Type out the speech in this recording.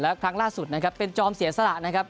แล้วครั้งล่าสุดนะครับเป็นจอมเสียสละนะครับ